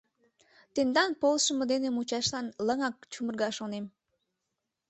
Тендан полшымо дене мучашлан лыҥак чумырга, шонем.